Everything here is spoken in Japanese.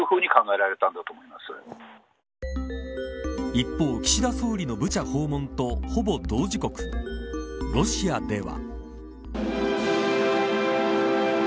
一方、岸田総理のブチャ訪問とほぼ同時刻、ロシアでは。